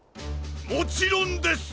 もちろんです！